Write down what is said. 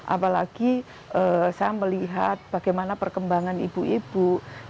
apalagi saya melihat bagaimana perkembangan ibu ibu